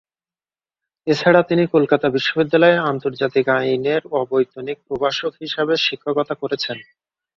এছাড়া তিনি কলকাতা বিশ্ববিদ্যালয়ে আন্তর্জাতিক আইনের অবৈতনিক প্রভাষক হিসেবে শিক্ষকতা করেছেন।